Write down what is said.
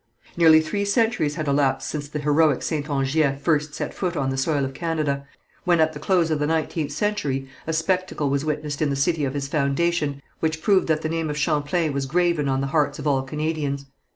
Nearly three centuries had elapsed since the heroic Saintongeais first set foot on the soil of Canada, when, at the close of the nineteenth century, a spectacle was witnessed in the city of his foundation which proved that the name of Champlain was graven on the hearts of all Canadians.